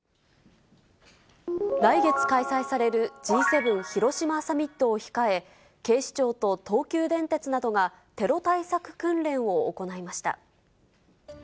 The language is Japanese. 来月開催されるＧ７広島サミットを控え、警視庁と東急電鉄などがテロ対策訓練を行いました。